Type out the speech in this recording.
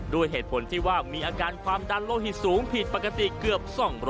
ด้วยเหตุผลที่ว่ามีอาการความดันโลหิตสูงผิดปกติเกือบ๒๐๐